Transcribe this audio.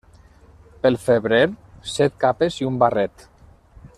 Pel febrer, set capes i un barret.